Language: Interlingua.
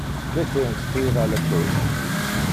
Que te inspira le plus?